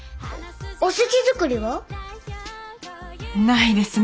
おせち作りは？ないですね。